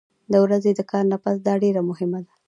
د ورځې د کار نه پس دا ډېره مهمه ده